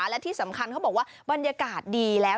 และที่สำคัญเขาบอกว่าบรรยากาศดีแล้ว